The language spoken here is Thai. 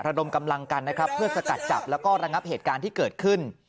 ดมกำลังกันนะครับเพื่อสกัดจับแล้วก็ระงับเหตุการณ์ที่เกิดขึ้น